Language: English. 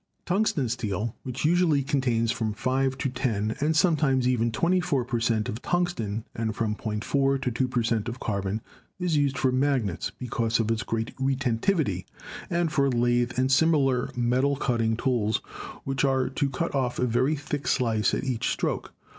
292 GEOLOGY Tungsten steel, which usually contains from 5 to 10 (and sometimes even 24) per cent, of tungsten and from 0.4 to 2 per cent, of carbon, is used for magnets, because of its great retentivity, and for lathe and similar metal cutting tools which are to cut off a very thick slice at each stroke.